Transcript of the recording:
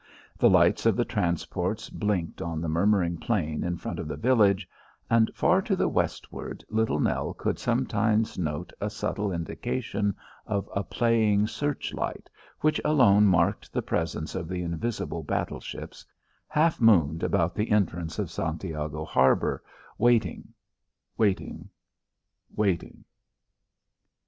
The lights of the transports blinked on the murmuring plain in front of the village; and far to the westward Little Nell could sometimes note a subtle indication of a playing search light, which alone marked the presence of the invisible battleships, half mooned about the entrance of Santiago Harbour, waiting waiting waiting.